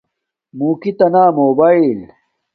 موکی تہ نا موباݵل